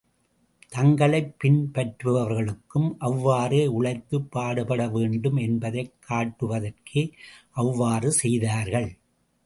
தங்களைப் பின்பற்றுபவர்களுக்கும் அவ்வாறே உழைத்துப் பாடுபட வேண்டும் என்பதைக் காட்டுவதற்கே அவ்வாறு செய்தார்கள்.